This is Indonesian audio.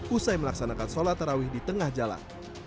usai melaksanakan sholat tarawih di tengah jalan